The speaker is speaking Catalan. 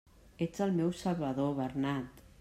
Ets el meu salvador, Bernat!